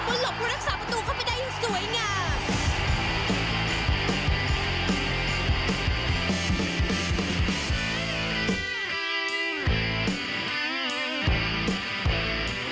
บนหลบรักษาประตูเข้าไปได้อย่างสวยงาม